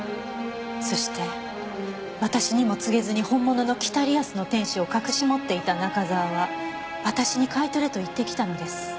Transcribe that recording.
「そして私にも告げずに本物の『北リアスの天使』を隠し持っていた中沢は私に買い取れと言ってきたのです」